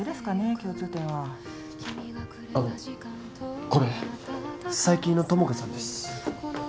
共通点はあのこれ最近の友果さんです